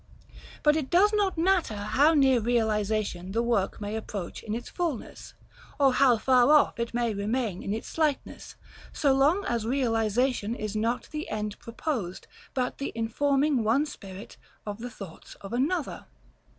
But it does not matter how near realization the work may approach in its fulness, or how far off it may remain in its slightness, so long as realization is not the end proposed, but the informing one spirit of the thoughts of another.